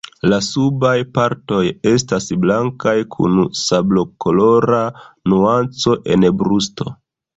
La subaj partoj estas blankaj kun sablokolora nuanco en brusto.